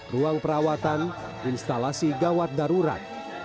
ruang perawatan instalasi gawat darurat